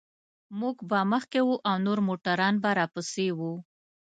موږ به مخکې وو او نور موټران به راپسې و.